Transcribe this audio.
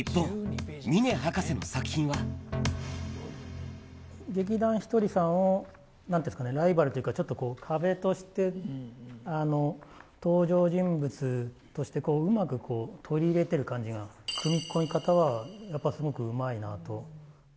一方、劇団ひとりさんをなんていうんですかね、ライバルというか、ちょっと壁として、登場人物としてうまく取り入れてる感じが、組み込み方はやっぱりすごくうまいなと。